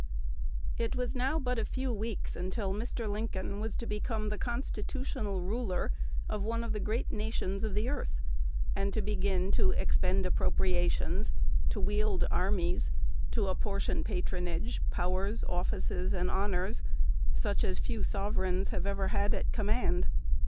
IT was now but a few weeks until Mr. Lincoln was to become the constitutional ruler of one of the great nations of the earth, and to begin to expend appropriations, to wield armies, to apportion patronage, powers, offices, and honors, such as few sovereigns have ever had at command.